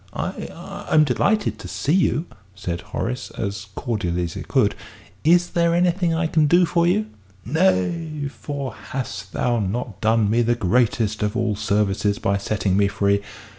"I I'm delighted to see you," said Horace, as cordially as he could. "Is there anything I can do for you?" "Nay, for hast thou not done me the greatest of all services by setting me free?